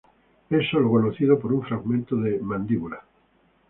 Es solo conocido por un fragmento de mandíbula.